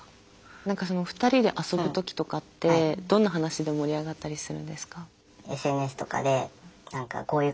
何かその２人で遊ぶ時とかってどんな話で盛り上がったりするんですか？